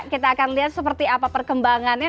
kita akan lihat seperti apa perkembangannya